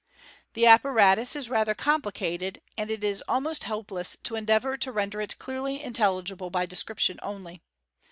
The apparatus is F.G. 276. MODERN MAGIC. *47 rather complicated, and it is almost hopeless to endeavour to render it clearly intelligible by description only.